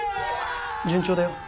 順調だよ